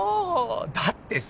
だってさ